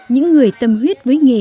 những người tâm huyết với nghề